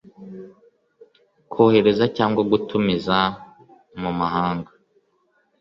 kohereza cyangwa gutumiza mu mahanga